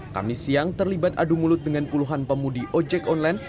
kami siang terlibat adu mulut dengan puluhan pemudi ojek online